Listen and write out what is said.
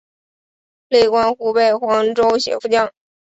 累官湖北黄州协副将。